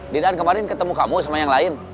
didan kemarin ketemu kamu sama yang lain